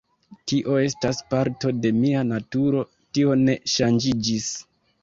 Tio estas parto de mia naturo, tio ne ŝanĝiĝis.